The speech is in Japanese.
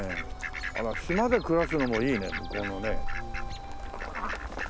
あら島で暮らすのもいいね向こうのね。